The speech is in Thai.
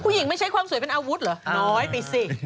ไม่ใช่ความสวยเป็นอาวุธเหรอน้อยไปสิ